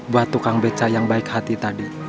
buat tukang beca yang baik hati tadi